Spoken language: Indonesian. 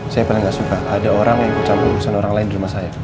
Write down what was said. saya paling nggak suka ada orang yang ikut campur urusan orang lain di rumah saya